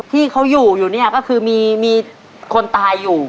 ที่เขาอยู่ก็คือมีคนตายอยู่